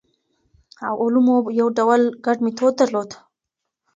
علومو یو ډول ګډ میتود درلود.